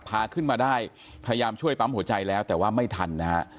พาขึ้นมาได้พยายามช่วยปั๊มหัวใจแล้วแต่ว่าไม่ทันนะฮะ